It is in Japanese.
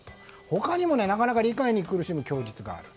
他にもなかなか理解に苦しむ供述がある。